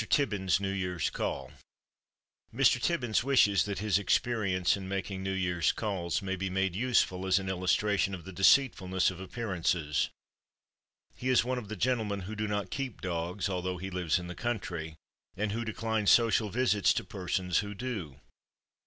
TIBBINS'S NEW YEAR'S CALL Mr. Tibbins wishes that his experience in making New Year's calls may be made useful as an illustration of the deceitfulness of appearances. He is one of the gentlemen who do not keep dogs, although he lives in the country, and who decline social visits to persons who do.